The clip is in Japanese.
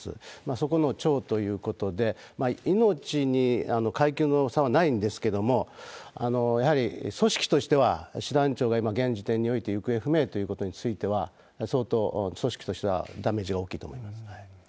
そこの長ということで、命に階級の差はないんですけども、やはり組織としては師団長が今、現時点において行方不明ということについては、相当、組織としてはダメージが大きいと思います。